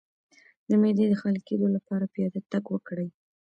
د معدې د خالي کیدو لپاره پیاده تګ وکړئ